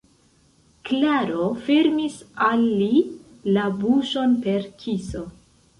Klaro fermis al li la buŝon per kiso.